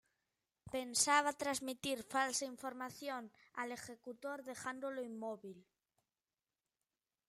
Pensaba transmitir falsa información al ejecutor, dejándolo inmóvil.